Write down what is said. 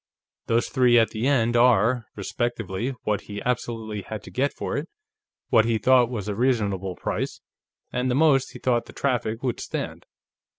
Those three at the end are, respectively, what he absolutely had to get for it, what he thought was a reasonable price, and the most he thought the traffic would stand.